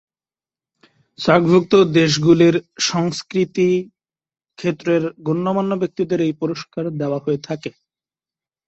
সার্ক-ভুক্ত দেশগুলির সংস্কৃতি ক্ষেত্রের গণ্যমান্য ব্যক্তিত্বদের এই পুরস্কার দেওয়া হয়ে থাকে।